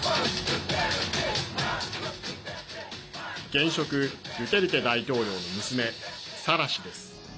現職、ドゥテルテ大統領の娘サラ氏です。